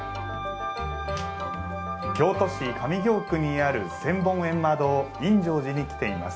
京都市上京区にある千本ゑんま堂引接寺に来ています。